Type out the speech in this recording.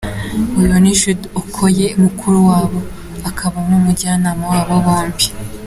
Uyu ni Jude Okoye, mukuru wabo akaba n’umujyanama wabo bombi.